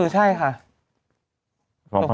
ใช่ค่ะ